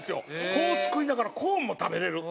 こうすくいながらコーンも食べれる。